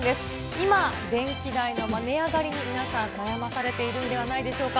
今電気代が値上がりに皆さん、悩まされているんではないでしょうか。